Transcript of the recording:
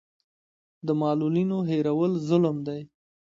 د معلولینو هېرول ظلم دی.